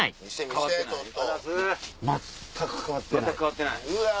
全く変わってない！